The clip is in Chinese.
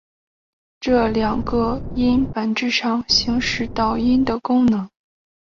这两个音本质上行使导音的功能。